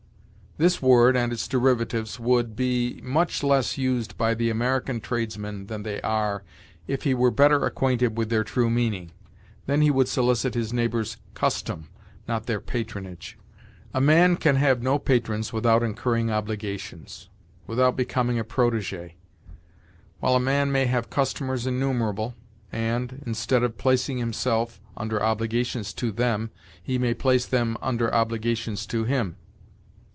This word and its derivatives would be much less used by the American tradesman than they are, if he were better acquainted with their true meaning. Then he would solicit his neighbors' custom, not their patronage. A man can have no patrons without incurring obligations without becoming a protégé; while a man may have customers innumerable, and, instead of placing himself under obligations to them, he may place them under obligations to him.